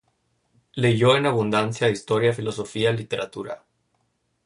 Leyó en abundancia historia, filosofía, literatura.